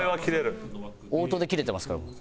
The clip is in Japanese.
オートでキレてますからもう。